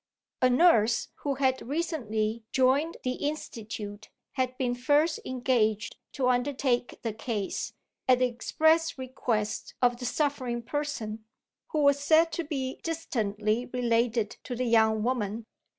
A nurse who had recently joined the Institute had been first engaged to undertake the case, at the express request of the suffering person who was said to be distantly related to the young woman.